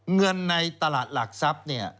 เงินในตลาดหลักทรัพย์เนี่ย